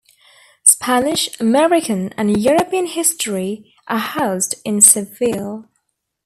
Spanish American, and European history, are housed in Seville.